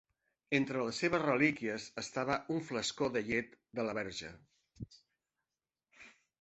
Entre les seves relíquies estava un flascó de llet de la Verge.